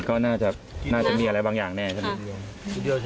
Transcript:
ก็น่าจะมีอะไรบางอย่างแน่ใช่ไหม